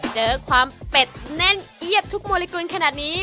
เจอความเป็ดแน่นเอียดทุกโมลิกุลขนาดนี้